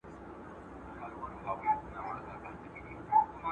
کیسه جذابه ده.